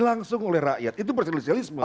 langsung oleh rakyat itu presidensialisme